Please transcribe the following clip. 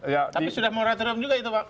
tapi sudah moratorium juga itu pak